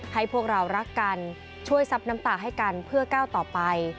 ให้พวกเรารักกันช่วยซับน้ำตาให้กันเพื่อก้าวต่อไป